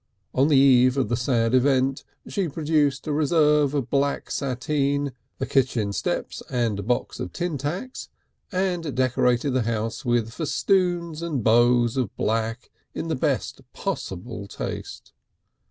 On the eve of the sad event she produced a reserve of black sateen, the kitchen steps and a box of tin tacks, and decorated the house with festoons and bows of black in the best possible taste.